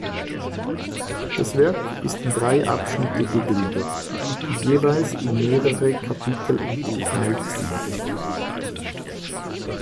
Das Werk ist in drei Abschnitte gegliedert, die jeweils in mehrere Kapitel unterteilt sind.